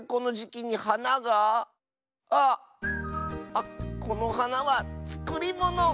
あっこのはなはつくりもの！